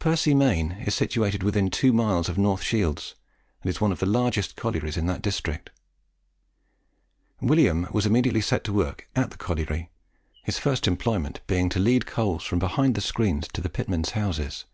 Percy Main is situated within two miles of North Shields, and is one of the largest collieries in that district. William was immediately set to work at the colliery, his first employment being to lead coals from behind the screen to the pitmen's houses.